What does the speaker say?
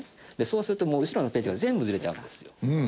そうすると後ろのページが全部ずれちゃうんです。